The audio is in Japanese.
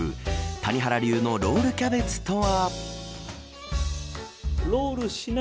谷原流のロールキャベツとは。